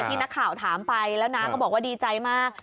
ที่นักข่าวถามไปแล้วน้าก็บอกว่าดีใจมาก